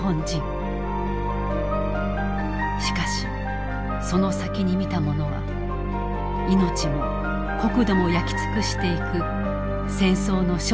しかしその先に見たものは命も国土も焼き尽くしていく戦争の正体だった。